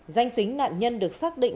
danh tính nạn nhân được xác định